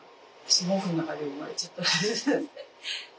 毛布の中で生まれちゃったんです。